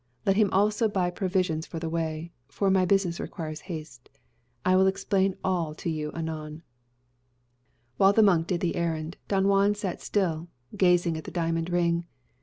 Let him also buy provisions for the way; for my business requires haste. I will explain all to you anon." [#] The Jewish Quarter of Seville. While the monk did the errand, Don Juan sat still, gazing at the diamond ring.